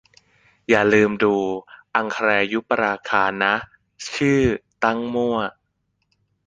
อย่าลืมดู 'อังคารยุปราคา' นะ - ชื่อตั้งมั่ว